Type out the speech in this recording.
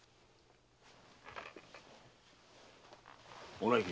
お内儀